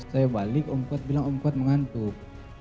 saya balik om kut bilang om kut mengantuk